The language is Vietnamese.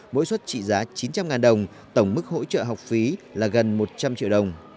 mỗi suất trị giá chín trăm linh đồng tổng mức hỗ trợ học phí là gần một trăm linh triệu đồng